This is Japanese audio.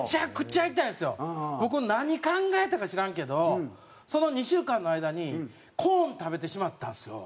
僕も何考えたか知らんけどその２週間の間にコーン食べてしまったんですよ。